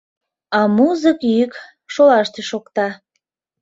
А музык йӱк — шолаште шокта.